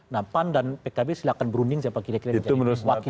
nah pan dan pkb silahkan berunding siapa kira kira yang menjadi wakil